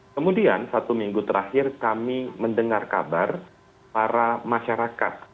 kemudian satu minggu terakhir kami mendengar kabar para masyarakat